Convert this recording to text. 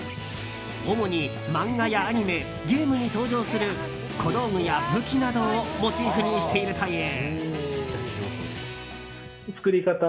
主に漫画やアニメ、ゲームに登場する小道具や武器などをモチーフにしているという。